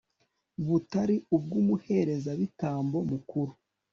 butari ubw'umuherezabitambo mukuru